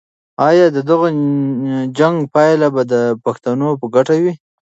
آیا د دغه جنګ پایله به د پښتنو په ګټه وي؟